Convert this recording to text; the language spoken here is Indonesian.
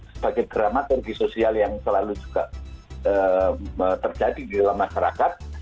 sebagai dramaturgi sosial yang selalu juga terjadi di dalam masyarakat